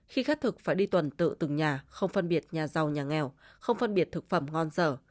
khi khách thực phải đi tuần tự từng nhà không phân biệt nhà giàu nhà nghèo không phân biệt thực phẩm ngon sở